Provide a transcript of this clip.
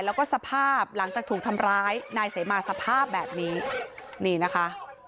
แล้วก็สภาพหลังจากถูกทำร้ายนายเสมาสภาพแบบนี้นี่นะคะ